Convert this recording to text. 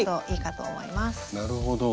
なるほど。